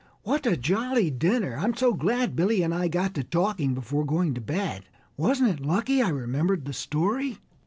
"What a jolly dinner! I'm so glad Billy and I got to talking before going to bed. Wasn't it lucky I remembered that story?"